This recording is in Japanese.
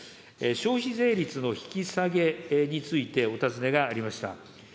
消費税率の引き下げについてお尋ねがありました。